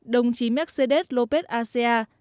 đồng chí mercedes lópez acea